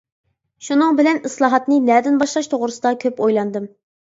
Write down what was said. شۇنىڭ بىلەن ئىسلاھاتنى نەدىن باشلاش توغرىسىدا كۆپ ئويلاندىم.